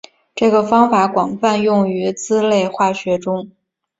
这个方法广泛用于甾类化学中。